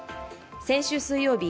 先週水曜日